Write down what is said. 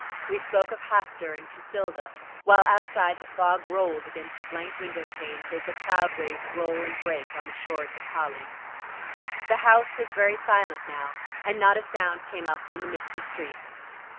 We spoke of Hastur and of Cassilda, while outside the fog rolled against the blank window panes as the cloud waves roll and break on the shores of Hali. The house was very silent now, and not a sound came up from the misty streets.